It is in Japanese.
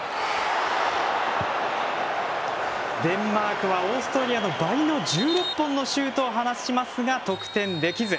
デンマークはオーストラリアの倍の１６本のシュートを放ちますが得点できず。